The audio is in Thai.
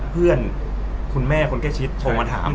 เพื่อนคุณแม่คนใกล้ชิดโทรมาถาม